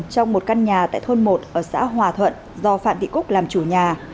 trong một căn nhà tại thôn một ở xã hòa thuận do phạm thị cúc làm chủ nhà